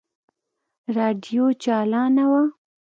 راډيو چالانه وه.